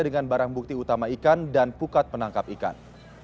dengan barang bukti utama ikan dan pukat penangkap ikan